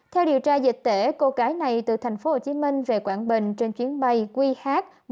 theo điều tra dịch tễ cô gái này từ thành phố hồ chí minh về quảng bình trên chuyến bay qh một nghìn một trăm bốn mươi hai